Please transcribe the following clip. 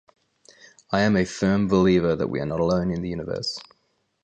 I am a firm believer that we are not alone in the universe.